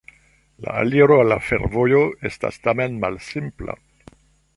La aliro al la fervojo estas tamen malsimpla.